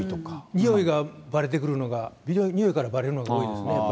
においがばれてくるのが、匂いからばれるのが多いですね。